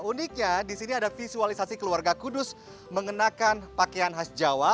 uniknya di sini ada visualisasi keluarga kudus mengenakan pakaian khas jawa